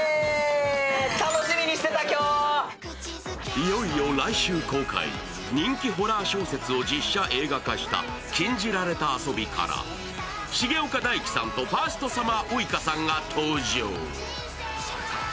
いよいよ来週公開、人気ホラー小説を実写映画化した「禁じられた遊び」から重岡大毅さんとファーストサマーウイカさんが登場。